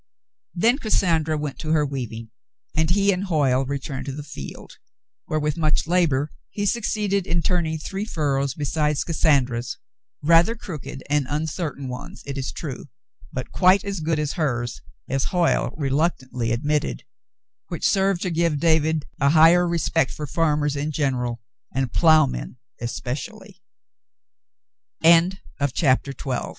Then Cassandra went to her weaving, and he and Hoyle returned to the field, where with much labor he succeeded in turning three furrows beside Cassandra's, rather crooked and uncertain ones, it is true, but quite as good as hers, as Hoyle reluctantly admitted, which served to give David a higher respect for farmers in general and ploughmen